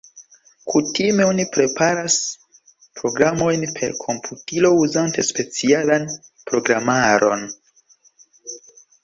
Kutime oni preparas programojn per komputilo uzante specialan programaron.